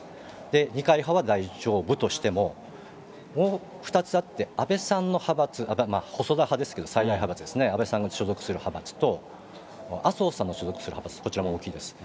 二階派は大丈夫としても、もう２つあって、安倍さんの派閥、細田派ですけど、最大派閥、安倍さんが所属する派閥と、麻生さんの所属する派閥、こちらも大きいです。